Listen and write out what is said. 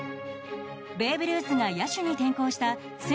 ベーブ・ルースが野手に転向した